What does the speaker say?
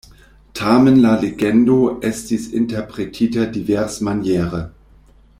Tamen la legendo estis interpretita diversmaniere.